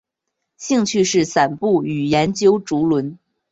兴趣是散步与研究竹轮。